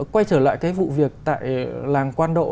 quay trở lại cái vụ việc tại làng quan độ